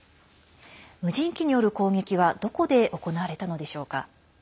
無人機による攻撃はどこで行われたのでしょうか。